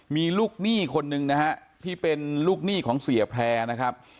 มีลูกหนี้คนหนึ่งนะฮะที่เป็นลูกหนี้ของเสียแพร่นะครับ